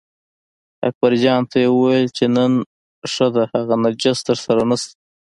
اکبرجان ته یې وویل چې نن ښه ده هغه نجس درسره نشته.